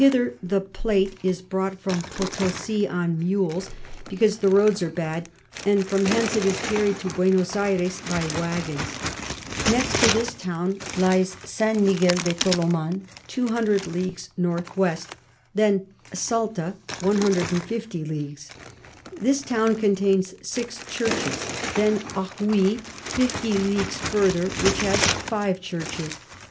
Hither the Plate is brought from Potosi on Mules, because the Roads are bad; and from hence it is carry'd to Buenos Ayres by Waggons. Next to this Town lies St. Miquel de Toloman 200 Leagues N W. Then Salta 150 Leagues. This Town contains six Churches. Then Ogui 50 Leagues further, which has five Churches.